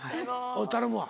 頼むわ。